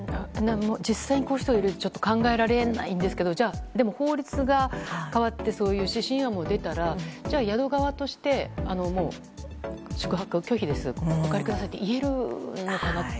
実際に、こういう人がいると考えられないんですけどでも法律が変わってそういう指針案も出たらじゃあ宿側として、宿泊を拒否ですよ、お帰りくださいと言えるのかなと。